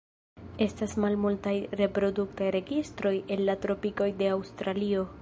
Estas malmultaj reproduktaj registroj el la tropikoj de Aŭstralio.